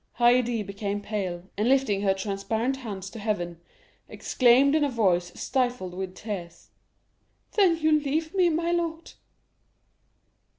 Haydée became pale, and lifting her transparent hands to heaven, exclaimed in a voice stifled with tears, "Then you leave me, my lord?"